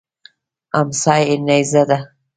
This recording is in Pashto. امسا یې نیزه ده.